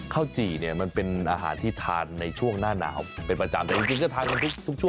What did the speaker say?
จี่เนี่ยมันเป็นอาหารที่ทานในช่วงหน้าหนาวเป็นประจำแต่จริงก็ทานกันทุกช่วง